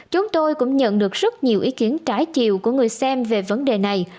chúng tôi cũng nhận được rất nhiều ý kiến trái chiều của người xem về vấn đề này